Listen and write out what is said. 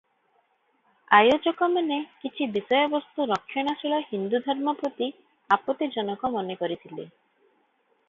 ଆୟୋଜକମାନେ କିଛି ବିଷୟବସ୍ତୁ ରକ୍ଷଣଶୀଳ ହିନ୍ଦୁ ଧର୍ମ ପ୍ରତି ଆପତ୍ତିଜନକ ମନେକରିଥିଲେ ।